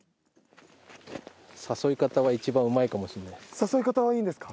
誘い方はいいんですか？